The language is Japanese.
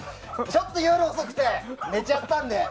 ちょっと夜遅くて寝ちゃったんで。